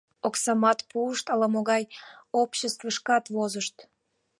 Оксамат пуышт, ала-могай обществышкат возышт.